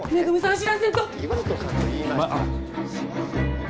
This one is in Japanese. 知らせんと！